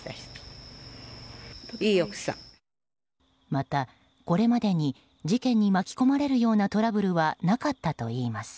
また、これまでに事件に巻き込まれるようなトラブルはなかったといいます。